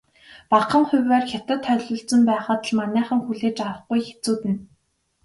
Багахан хувиар Хятад холилдсон байхад л манайхан хүлээж авахгүй хэцүүднэ.